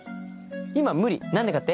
今無理何でかって？